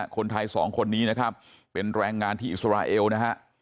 คนไทยสองคนนี้นะครับเป็นแรงงานที่อิสราเอลนะฮะ